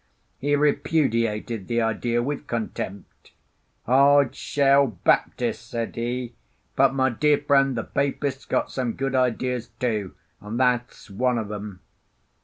He repudiated the idea with contempt. "Hard shell Baptis'," said he. "But, my dear friend, the Papists got some good ideas too; and tha' 's one of 'em.